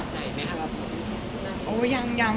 เติมในไม่แล้วหรือไปอย่างไรค่ะ